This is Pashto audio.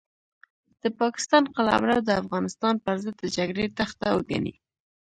د پاکستان قلمرو د افغانستان پرضد د جګړې تخته وګڼي.